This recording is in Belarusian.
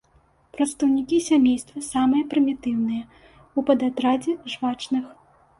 Прадстаўнікі сямейства самыя прымітыўныя ў падатрадзе жвачных.